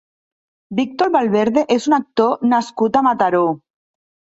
Víctor Valverde és un actor nascut a Mataró.